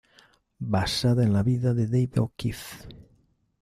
Basada en la vida de David O'Keefe.